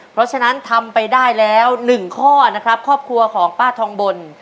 เพราะฉะนั้นทำไปได้แล้ว๑ข้อนะครับครอบครัวของป้าทองบน